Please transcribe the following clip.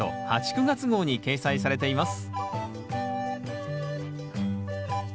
９月号に掲載されています